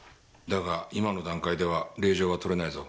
だが今の段階では令状は取れないぞ。